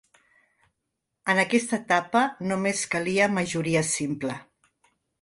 En aquesta etapa només calia majoria simple.